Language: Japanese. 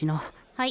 はい。